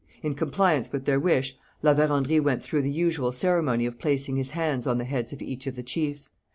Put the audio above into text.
In compliance with their wish, La Vérendrye went through the usual ceremony of placing his hands on the heads of each of the chiefs.